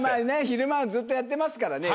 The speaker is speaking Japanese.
昼間ずっとやってますからね。